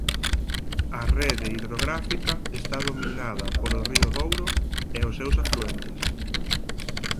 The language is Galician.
A rede hidrográfica está dominada polo río Douro e os seus afluentes.